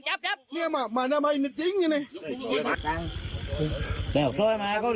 สะดวกดูไว้ไม่เดี๋ยวไอ้เกรงหน่อยก่อน